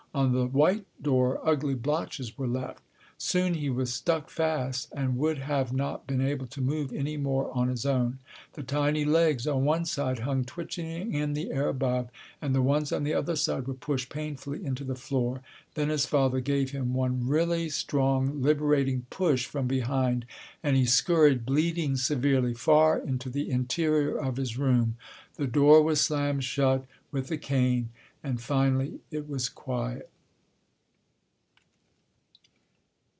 On the white door ugly blotches were left. Soon he was stuck fast and would have not been able to move any more on his own. The tiny legs on one side hung twitching in the air above, and the ones on the other side were pushed painfully into the floor. Then his father gave him one really strong liberating push from behind, and he scurried, bleeding severely, far into the interior of his room. The door was slammed shut with the cane, and finally it was quiet.